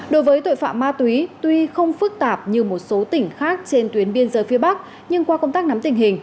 đối với tội phạm ma túy tuy không phức tạp như một số tỉnh khác trên tuyến biên giới phía bắc nhưng qua công tác nắm tình hình